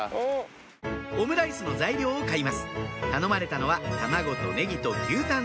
オムライスの材料を買います頼まれたのは卵とネギと牛タン